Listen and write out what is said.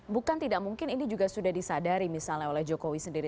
bukan tidak mungkin ini juga sudah disadari misalnya oleh jokowi sendiri